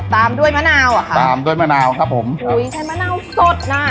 ตามด้วยมะนาวอ่ะค่ะตามด้วยมะนาวครับผมอุ้ยใช้มะนาวสดน่ะ